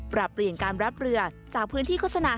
ปรับเปลี่ยนการรับเรือจากพื้นที่โฆษณา